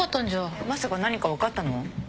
まさか何か分かったの？